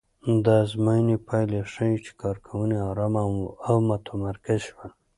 د ازموینې پایلې ښيي چې کارکوونکي ارامه او متمرکز شول.